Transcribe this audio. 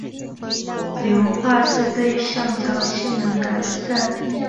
硫化是对橡胶性能进行改良的一种过程。